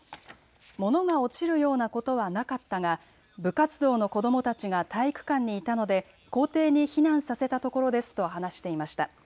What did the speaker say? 物が落ちるようなことはなかったが部活動の子どもたちが体育館にいたので校庭に避難させたところですと話していました。